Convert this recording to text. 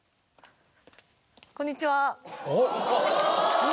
こんにちは。おっ。